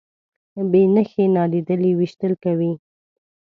بې نښې نالیدلي ویشتل کوي.